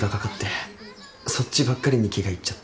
そっちばっかりに気がいっちゃって。